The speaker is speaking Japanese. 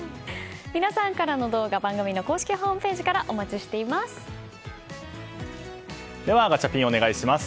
皆さんからの動画番組の公式ホームページからガチャピン、お願いします。